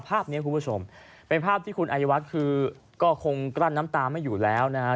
ภาพนี้คุณผู้ชมเป็นภาพที่คุณอายวัฒน์คือก็คงกลั้นน้ำตาไม่อยู่แล้วนะฮะ